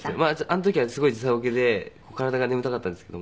あの時はすごい時差ボケで体が眠たかったんですけど。